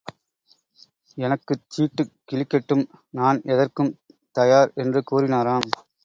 எனக்குச் சீட்டுக் கிழிக்கட்டும் நான் எதற்கும் தயார் என்று கூறினாராம்.